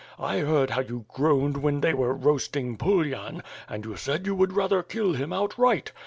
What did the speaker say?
I heard how you groaned when they were roasting Pulyan and you said you would rather kill him outright.